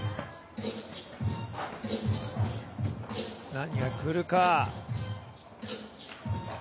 何がくるか。